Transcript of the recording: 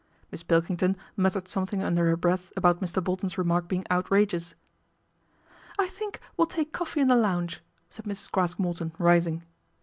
Miss Pilkington muttered something under her breath about Mr. Bolton's remark being outrageous. " I think we'll take coffee in the lounge," said Mrs. Craske Morton, rising.